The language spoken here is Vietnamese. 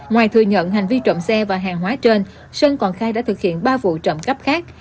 ngoài thừa nhận hành vi trộm xe và hàng hóa trên sơn còn khai đã thực hiện ba vụ trộm cắp khác